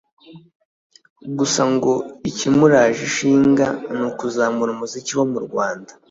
gusa ngo ikimuraje ishinga ni ukuzamura umuziki wo mu Rwanda